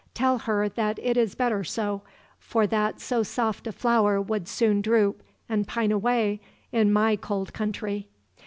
Tell her that it is better so, for that so soft a flower would soon droop, and pine away, in my cold country."